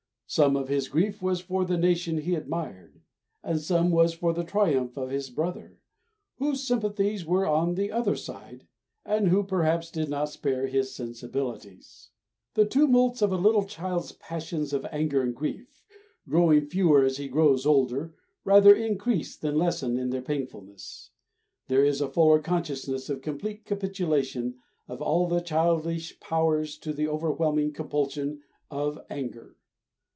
Some of his grief was for the nation he admired, and some was for the triumph of his brother, whose sympathies were on the other side, and who perhaps did not spare his sensibilities. The tumults of a little child's passions of anger and grief, growing fewer as he grows older, rather increase than lessen in their painfulness. There is a fuller consciousness of complete capitulation of all the childish powers to the overwhelming compulsion of anger.